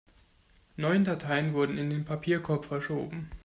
Neun Dateien wurden in den Papierkorb verschoben.